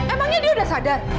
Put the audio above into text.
emangnya dia udah sadar